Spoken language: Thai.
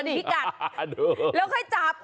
ก็คือเธอนี่มีความเชี่ยวชาญชำนาญ